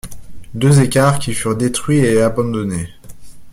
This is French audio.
Deux écarts qui furent détruits et abandonnés.